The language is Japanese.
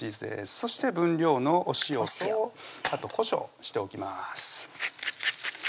そして分量のお塩とあとこしょうしておきます